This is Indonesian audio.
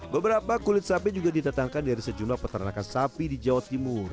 beberapa kulit sapi juga ditetangkan dari sejumlah peternakan sapi di jawa timur